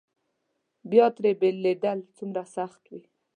بیا ترې بېلېدل څومره سخت وي.